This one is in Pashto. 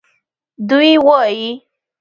دوی وایي